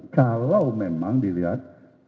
kalau memang dilihat